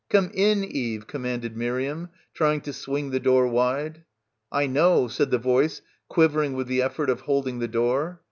"Come in, Eve," commanded Miriam, trying to swing the door wide. "I know," said the voice, quivering with the ef fort of holding the door.